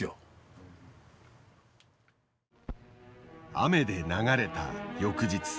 雨で流れた翌日。